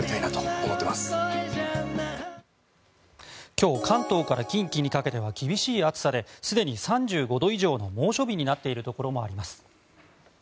今日関東から近畿にかけては厳しい暑さですでに３５度以上の猛暑日になっているところもあります。